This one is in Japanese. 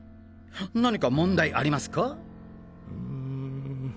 何か問題ありますか？